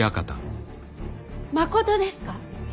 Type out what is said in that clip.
まことですか。